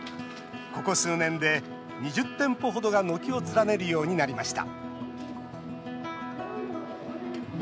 ここ数年で２０店舗ほどが軒を連ねるようになりました。